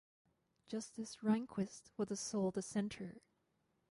Justice Rehnquist was the sole dissenter.